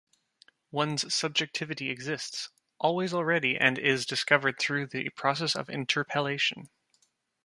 One's subjectivity exists, "always already" and is discovered through the process of interpellation.